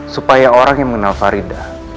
supaya orang yang mengenal farida